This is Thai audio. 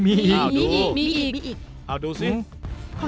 มีอีก